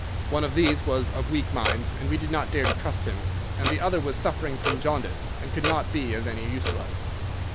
One of these was of weak mind, and we did not dare to trust him, and the other was suffering from jaundice, and could not be of any use to us.